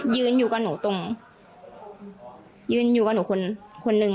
ยืนอยู่กับหนูตรงยืนอยู่กับหนูคนคนหนึ่ง